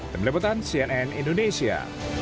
demi lebutan cnn indonesia